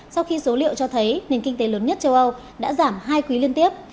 sau khi số liệu cho thấy nền kinh tế lớn nhất châu âu đã giảm hai quý liên tiếp